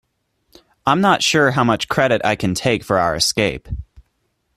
I'm not sure how much credit I can take for our escape.